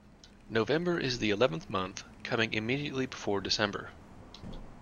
November is the eleventh month, coming immediately before December